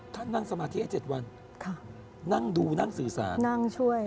ท่านนั่งสมาธิ๗วันเข้าดูดูนั่งสื่อสาร